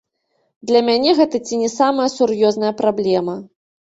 Для мяне гэта ці не самая сур'ёзная праблема.